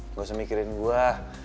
nggak usah mikirin gue